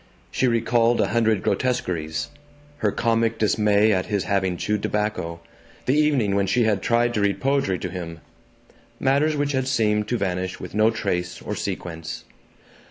She recalled a hundred grotesqueries: her comic dismay at his having chewed tobacco, the evening when she had tried to read poetry to him; matters which had seemed to vanish with no trace or sequence.